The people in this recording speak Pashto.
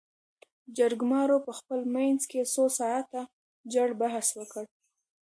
جرګمارو په خپل منځ کې څو ساعاته جړ بحث وکړ.